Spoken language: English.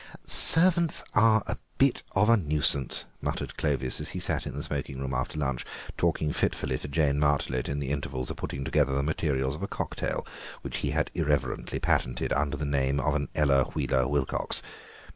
"Servants are a bit of a nuisance," muttered Clovis, as he sat in the smoking room after lunch, talking fitfully to Jane Martlet in the intervals of putting together the materials of a cocktail, which he had irreverently patented under the name of an Ella Wheeler Wilcox.